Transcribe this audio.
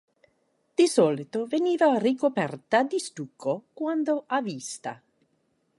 Di solito veniva ricoperta di stucco quando a vista.